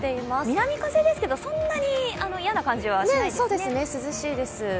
南風ですけど、そんなに嫌な感じはしないですね。